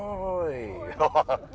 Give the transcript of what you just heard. oh juga apa